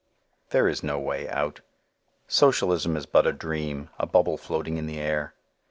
There is no way out. Socialism is but a dream, a bubble floating in the air.